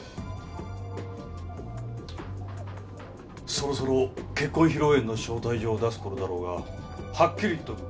そろそろ結婚披露宴の招待状を出すころだろうがはっきり言っておく。